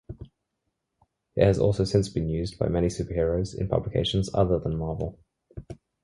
It has also since been used by many superheroes in publications other than Marvel.